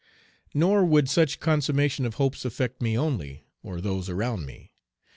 Nor would such consummation of hopes affect me only, or those around me.